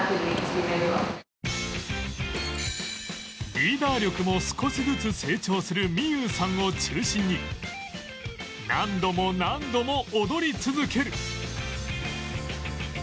リーダー力も少しずつ成長する美優さんを中心に何度も何度も踊り続ける